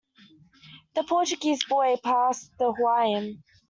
The Portuguese boy passed the Hawaiian.